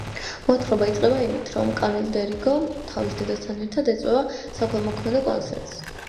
მოთხრობა იწყება იმით, რომ კამილ დე გრიო თავის დედასთან ერთად ეწვევა საქველმოქმედო კონცერტს.